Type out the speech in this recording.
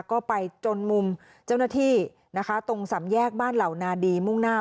ก็ไปจนมุมเจ้าหน้าที่นะคะตรงสามแยกบ้านเหล่านาดีมุ่งหน้า